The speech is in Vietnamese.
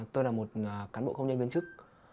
tôi là một cán bộ công nhân viên chức